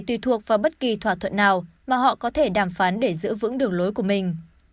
tùy thuộc vào bất kỳ thỏa thuận nào mà họ có thể đàm phán để giữ vững đường lối của mình